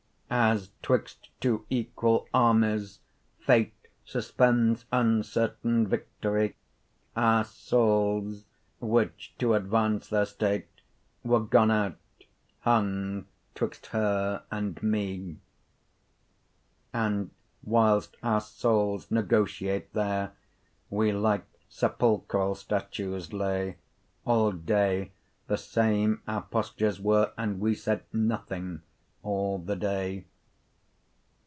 As 'twixt two equall Armies, Fate Suspends uncertaine victorie, Our soules, (which to advance their state, 15 Were gone out,) hung 'twixt her, and mee. And whil'st our soules negotiate there, Wee like sepulchrall statues lay; All day, the same our postures were, And wee said nothing, all the day.